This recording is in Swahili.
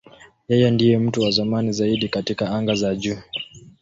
Yeye ndiye mtu wa zamani zaidi katika anga za juu.